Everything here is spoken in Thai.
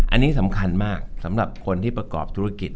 อันนี้สำคัญมากสำหรับคนที่ประกอบธุรกิจ